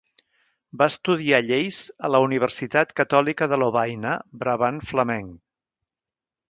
Va estudiar lleis a la Universitat Catòlica de Lovaina, Brabant Flamenc.